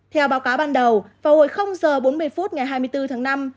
theo báo cáo ban đầu vào hồi h bốn mươi phút ngày hai mươi bốn tháng năm